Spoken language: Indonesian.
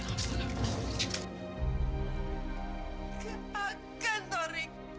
kamu jangan berpacar